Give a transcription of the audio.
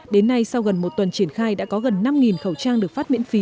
đến nay sau gần một tuần triển khai đã có gần năm khẩu trang được phát miễn phí